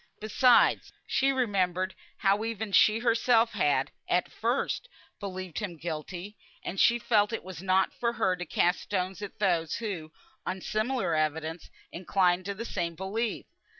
Besides she remembered how even she herself had, at first, believed him guilty; and she felt it was not for her to cast stones at those who, on similar evidence, inclined to the same belief.